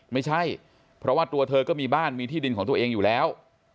ไม่ใช่เพราะว่าตัวเธอก็มีบ้านมีที่ดินของตัวเองอยู่แล้ว